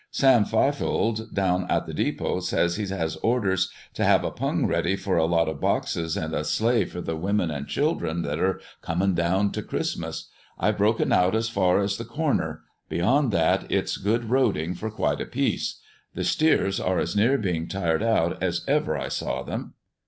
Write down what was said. Sam Fifield, down at the depot, says he has orders to have a pung ready for a lot of boxes and a sleigh for the women and children that are coming down to Christmas. I've broken out as far as the Corner; beyond that it's good roading for quite a piece. The steers are as near being tired out as ever I saw them.